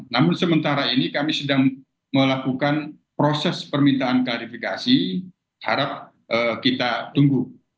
namun sementara ini kami sedang melakukan proses permintaan klarifikasi harap kita tunggu